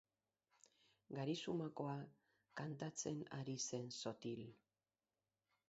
Garizumakoa kantatzen ari zen sotil.